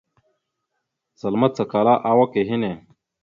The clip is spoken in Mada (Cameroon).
Zal macala awak a henne.